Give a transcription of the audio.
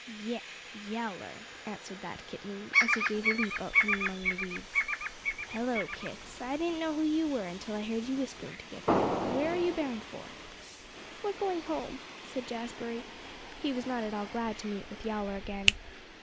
"Yeh! Yowler," answered that kitten, as he gave a leap out from among the weeds. "Hello, kits! I didn't know who you were until I heard you whispering together. Where are you bound for?" "We're going home," said Jazbury. He was not at all glad to meet with Yowler again.